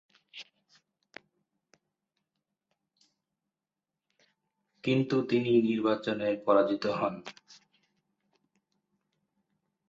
কিন্তু নির্বাচনে তিনি পরাজিত হন।